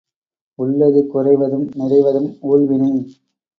உள்ளது குறைவதும் நிறைவதும் ஊழ்வினை.